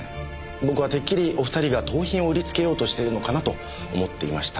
僕はてっきりお２人が盗品を売りつけようとしてるのかなと思っていました。